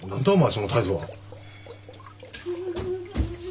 その態度は。